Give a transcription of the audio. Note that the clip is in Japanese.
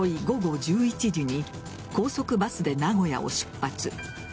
午後１１時に高速バスで名古屋を出発。